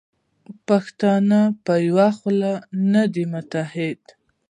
پښتانه په یوه خوله نه دي متحد.